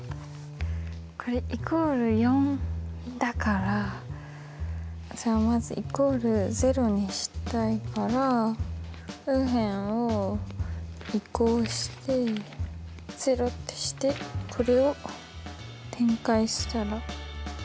これイコール４だからじゃあまずイコール０にしたいから右辺を移項して０ってしてこれを展開したら。